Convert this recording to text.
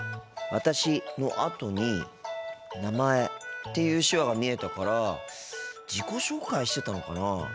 「私」のあとに「名前」っていう手話が見えたから自己紹介してたのかなあ。